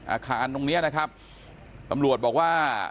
อาคารตรงนี้นะครับตำรวจบอกว่า